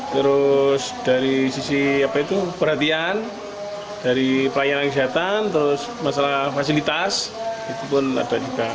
terus dari sisi perhatian dari pelayanan kesehatan terus masalah fasilitas itu pun ada juga